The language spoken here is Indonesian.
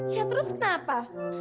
ya terus kenapa